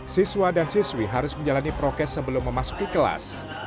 siswa dan siswi harus menjalani prokes sebelum memasuki kelas